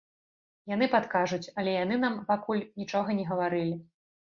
Яны падкажуць, але яны нам пакуль нічога не гаварылі.